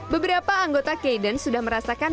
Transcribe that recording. beberapa anggota kaiden sudah merasakannya